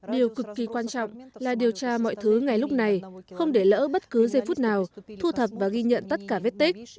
điều cực kỳ quan trọng là điều tra mọi thứ ngay lúc này không để lỡ bất cứ giây phút nào thu thập và ghi nhận tất cả vết tích